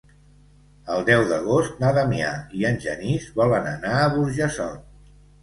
El deu d'agost na Damià i en Genís volen anar a Burjassot.